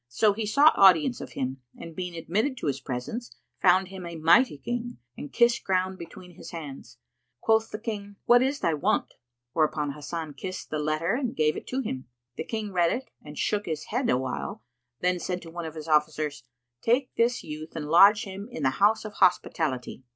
So he sought audience of him and, being admitted to his presence, found him a mighty King and kissed ground between his hands. Quoth the King, "What is thy want?" Whereupon Hasan kissed the letter and gave it to him. The King read it and shook his head awhile, then said to one of his officers, "Take this youth and lodge him in the house of hospitality."